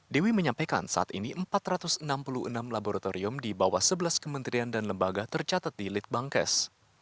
dewi menyampaikan saat ini empat ratus enam puluh enam laboratorium di bawah sebelas kementerian dan lembaga tercatat di litbangkes